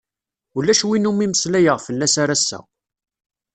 Ulac win umi meslayeɣ fell-as ar ass-a.